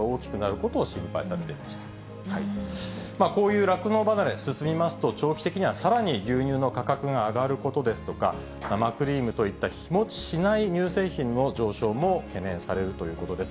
こういう酪農離れ進みますと、長期的にはさらに牛乳の価格が上がることですとか、生クリームといった日持ちしない乳製品の上昇も懸念されるということです。